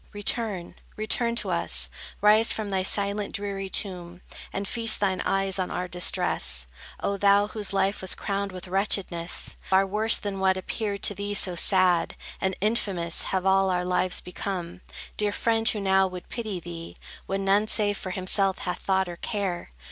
Return, return to us, Rise from thy silent, dreary tomb, And feast thine eyes on our distress, O thou, whose life was crowned with wretchedness! Far worse than what appeared to thee so sad And infamous, have all our lives become. Dear friend, who now would pity thee, When none save for himself hath thought or care?